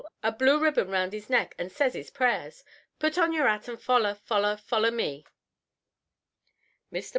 A blue ribbon round 'is neck and says 'is prayers. Put on yer 'at and foller, foller, foller me." Mr.